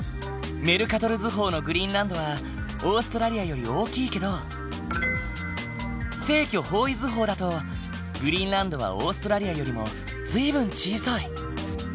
メルカトル図法のグリーンランドはオーストラリアより大きいけど正距方位図法だとグリーンランドはオーストラリアよりも随分小さい。